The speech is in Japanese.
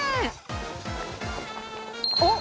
おっ！